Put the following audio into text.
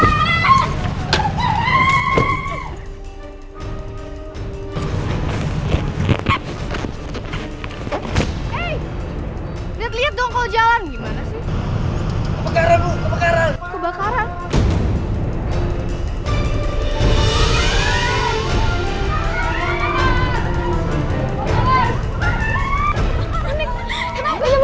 hai lihat lihat dong kalau jalan gimana sih kebakaran bu kebakaran kebakaran